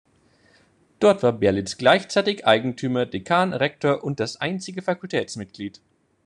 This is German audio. Dort war Berlitz gleichzeitig Eigentümer, Dekan, Rektor und das einzige Fakultätsmitglied.